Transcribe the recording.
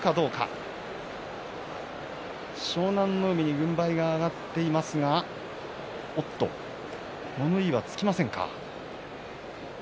海に軍配が上がっていますがおっと、物言いはつきませんか。